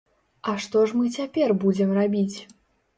А што ж мы цяпер будзем рабіць?